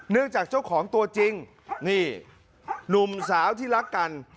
จากเจ้าของตัวจริงนี่หนุ่มสาวที่รักกัน